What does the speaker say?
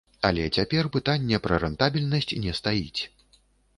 Але цяпер пытанне пра рэнтабельнасць не стаіць.